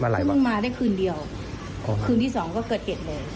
มาหลายวันคือมึงมาได้คืนเดียวคืนที่สองก็เกิดเหตุเลย